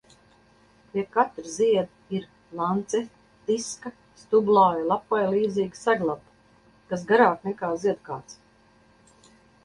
Pie katra zieda ir lancetiska, stublāja lapai līdzīga seglapa, kas garāka nekā ziedkāts.